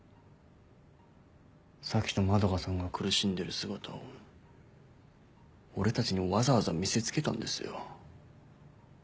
咲と円さんが苦しんでる姿を俺たちにわざわざ見せつけたんですよ？